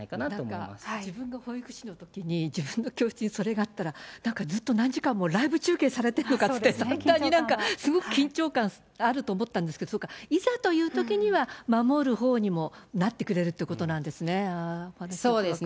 なんか自分が保育士のときに、自分の教室にそれがあったら、なんかずっと何時間もライブ中継されてるのかって、すごく緊張感あると思ったんですけど、そうか、いざというときには、守るほうにもなってくれるということなんでそうですね。